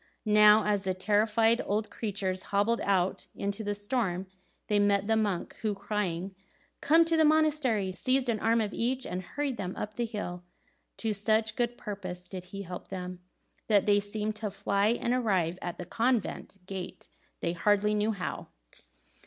Now as the terrified old creatures hobbled out into the storm, they met the monk, who, crying, "Come to the monastery!" seized an arm of each, and hurried them up the hill. To such good purpose did he help them, that they seemed to fly, and arrived at the convent gate they hardly knew how.